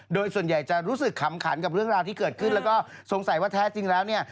โดยส่วนใหญ่จะรู้สึกขำขันกับเรื่องราวที่เกิดขึ้นแล้วก็สงสัยว่าแท้จริงแล้วเนี่ย